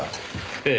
ええ。